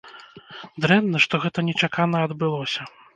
Дрэнна, што гэта нечакана адбылося.